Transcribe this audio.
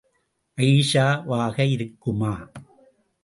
அயீஷா வாக இருக்குமா?